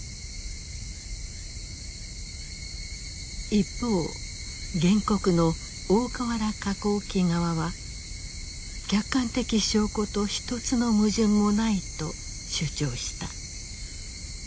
一方原告の大川原化工機側は客観的証拠と一つの矛盾もないと主張した。